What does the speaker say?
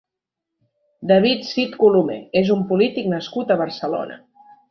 David Cid Colomer és un polític nascut a Barcelona.